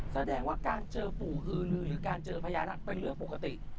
แสดงว่าการเจอปู่ฮือลือหรือการเจอพญานาคเป็นเรื่องปกติ